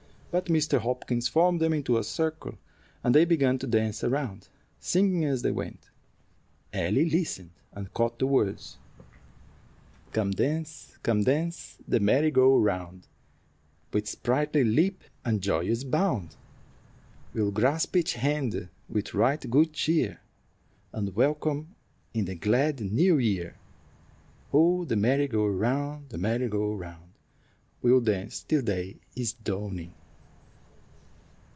But Mr. Hopkins formed them into a circle, and they began to dance around, singing as they went. Ellie listened, and caught the words, "Come dance, come dance the merry go round, With sprightly leap and joyous bound. We'll grasp each hand with right good cheer, And welcome in the glad new year. Oh, the merry go round, the merry go round, We'll dance till day is dawning."